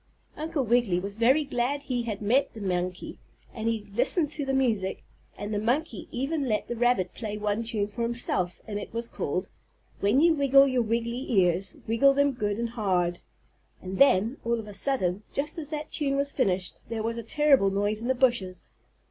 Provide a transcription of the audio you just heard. Uncle Wiggily was very glad he had met the monkey, and he listened to the music, and the monkey even let the rabbit play one tune for himself, and it was called, "When You Wiggle Your Wiggily Ears Wiggle Them Good and Hard." And then, all of a sudden, just as that tune was finished, there was a terrible noise in the bushes.